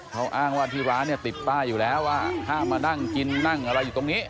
เขาอ้างว่าที่ร้านเนี่ยติดป้ายอยู่แล้วว่าห้ามมานั่งกินนั่งอะไรอยู่ตรงนี้